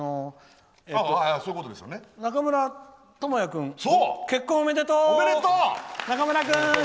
中村倫也君、結婚おめでとう！